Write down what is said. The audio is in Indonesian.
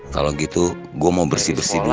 kalau gitu gue mau bersih bersih dulu